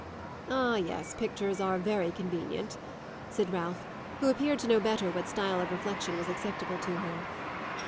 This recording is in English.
"Ah yes, pictures are very convenient," said Ralph, who appeared to know better what style of reflexion was acceptable to her.